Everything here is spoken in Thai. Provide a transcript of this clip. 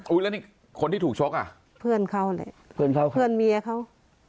แล้วนี่คนที่ถูกชกอ่ะเพื่อนเขาเลยเพื่อนเขาเพื่อนเมียเขา